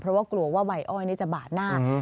เพราะว่ากลัวว่าไหว้อ้อยจะบาดหน้า